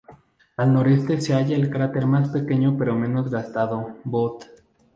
Al noroeste se halla el cráter más pequeño pero menos gastado Bode.